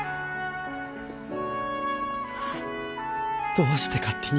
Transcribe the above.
どうして勝手に